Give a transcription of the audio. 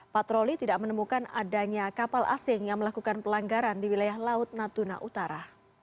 patroli tidak menemukan adanya kapal asing yang melakukan pelanggaran di wilayah laut natuna utara